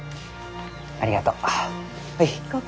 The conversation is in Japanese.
ありがとう。